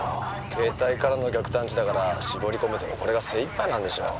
携帯からの逆探知だから絞り込めてもこれが精一杯なんでしょう。